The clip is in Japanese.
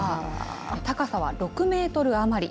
高さは６メートル余り。